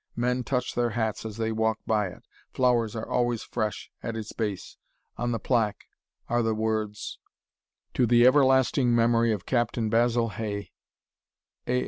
Men touch their hats as they walk by it; flowers are always fresh at its base. On the plaque are the words: To The Everlasting Memory Of Captain Basil Hay, A.